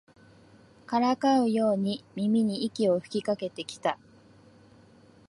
からかうように耳に息を吹きかけてきた